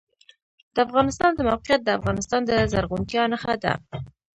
د افغانستان د موقعیت د افغانستان د زرغونتیا نښه ده.